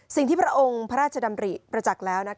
สิ่งที่พระองค์พระราชดำริประจักษ์แล้ว